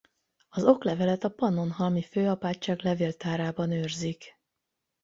Az oklevelet a Pannonhalmi Főapátság levéltárában őrzik.